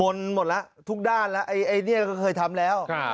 มนต์หมดละทุกด้านละไอไอเนี่ยก็เคยทำแล้วครับ